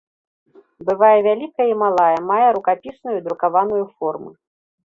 Бывае вялікая і малая, мае рукапісную і друкаваную формы.